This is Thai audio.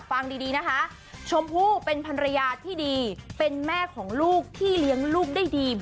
ฟังดีนะคะชมพู่เป็นภรรยาที่ดีเป็นแม่ของลูกที่เลี้ยงลูกได้ดี